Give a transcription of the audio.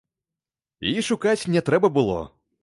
І шукаць не трэба было.